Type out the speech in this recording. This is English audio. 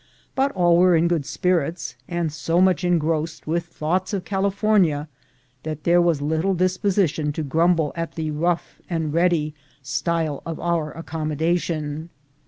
But all were in good spirits, and so much engrossed with thoughts of California that there was little disposition to grumble at the rough and ready style of our accommodation.